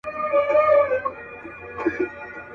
دا به څوک وي چي بلبل بولي ښاغلی.